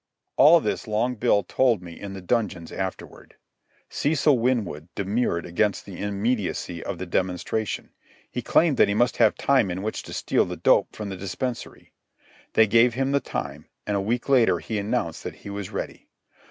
All this Long Bill told me in the dungeons afterward. Cecil Winwood demurred against the immediacy of the demonstration. He claimed that he must have time in which to steal the dope from the dispensary. They gave him the time, and a week later he announced that he was ready.